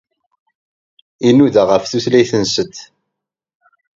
Inuda ɣef tutlayt-nsent.